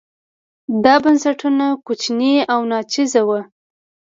دا بنسټونه کوچني او ناچیزه وو.